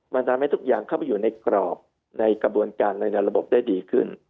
มันทำให้ทุกอย่างเข้าไปอยู่ในกรอบในกระบวนการในระบบได้ดีขึ้น